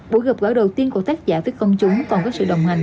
buổi gặp gỡ đầu tiên của tác giả với công chúng còn có sự đồng hành